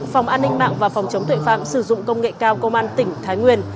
phòng an ninh mạng và phòng chống tuệ phạm sử dụng công nghệ cao công an tỉnh thái nguyên